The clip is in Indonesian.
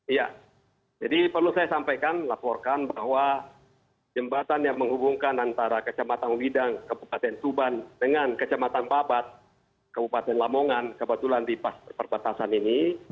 iya jadi perlu saya sampaikan laporkan bahwa jembatan yang menghubungkan antara kecamatan widang kabupaten tuban dengan kecamatan babat kabupaten lamongan kebetulan di perbatasan ini